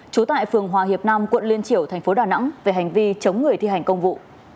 trú tại phường hòa hiệp nam quận liên triểu thành phố đà nẵng về hành vi chống người thi hành công vụ